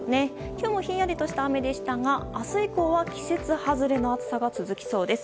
今日もひんやりとした雨でしたが明日以降は、季節外れの暑さが続きそうです。